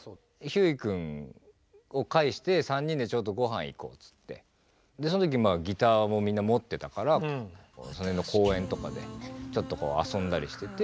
ひゅーい君を介して３人でちょっとごはん行こうつってその時ギターもみんな持ってたからその辺の公園とかでちょっと遊んだりしてて。